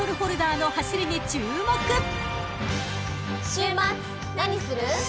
週末何する？